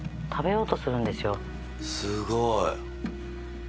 すごい。